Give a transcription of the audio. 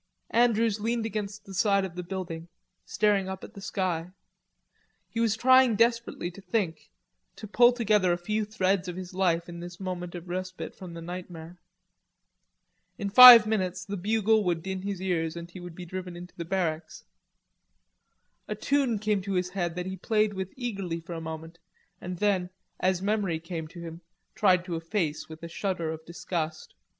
Andrews leaned against the outside of the building, staring up at the sky. He was trying desperately to think, to pull together a few threads of his life in this moment of respite from the nightmare. In five minutes the bugle would din in his ears, and he would be driven into the barracks. A tune came to his head that he played with eagerly for a moment, and then, as memory came to him, tried to efface with a shudder of disgust.